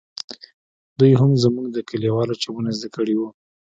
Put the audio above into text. دوى هم زموږ د کليوالو چمونه زده کړي وو.